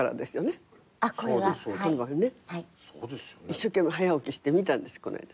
一生懸命早起きして見たんです。